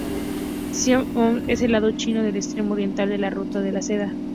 Xi'an es —del lado chino— el extremo oriental de la Ruta de la Seda.